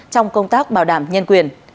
trong công tác bảo đảm nhân quyền